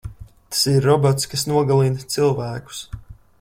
Tas ir robots, kas nogalina cilvēkus.